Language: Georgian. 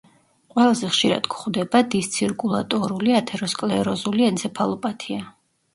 ყველაზე ხშირად გვხვდება დისცირკულატორული ათეროსკლეროზული ენცეფალოპათია.